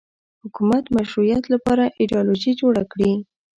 حکومت مشروعیت لپاره ایدیالوژي جوړه کړي